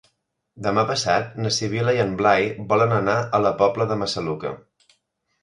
Demà passat na Sibil·la i en Blai volen anar a la Pobla de Massaluca.